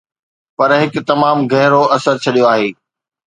پر هڪ تمام گهرو اثر ڇڏيو آهي.